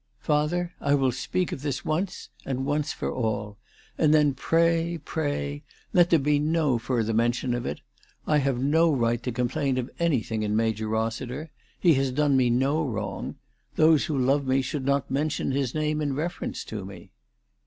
" Father, I will speak of this once, and once for all ; and then pray, pray, let there be no further mention of it. I have no right to complain of anything in Major Rossiter. He has done me no wrong. Those who love me should not mention his name in reference to me."